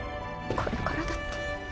これからだって。